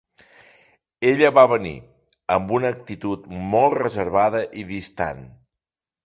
Ella va venir, amb una actitud molt reservada i distant.